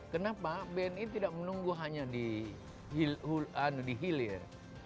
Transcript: kenapa bni tidak menunggu hanya di hilir